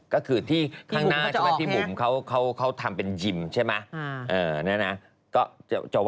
ก็คือที่ข้างหน้าใช่ไหมที่บุ่มเขาทำเป็นยิมใช่ไหมเนี่ยนะฮะที่บุ่มเขาจะออกใช่ไหม